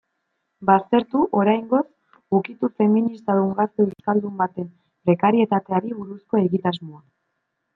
Baztertu, oraingoz, ukitu feministadun gazte euskaldun baten prekarietateari buruzko egitasmoa.